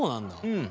うん。